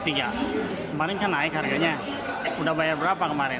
kelas tiga kemarin kan naik harganya udah bayar berapa kemarin